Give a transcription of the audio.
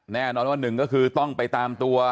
แน่นอนว่าหนึ่งก็คือต้องไปตามตัว